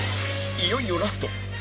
いよいよラスト